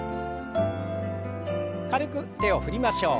軽く手を振りましょう。